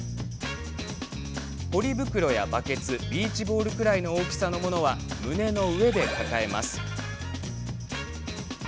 ポリ袋やバケツビーチボールくらいの大きさのものは胸の上で抱えます。